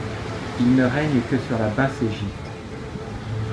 Il ne règne que sur la Basse-Égypte.